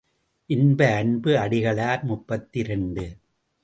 இன்ப அன்பு அடிகளார் முப்பத்திரண்டு.